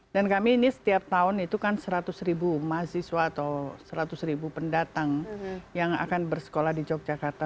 dan kami ini setiap tahun itu kan seratus ribu mahasiswa atau seratus ribu pendatang yang akan bersekolah di yogyakarta